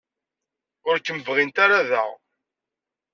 Ur kem-bɣint ara da.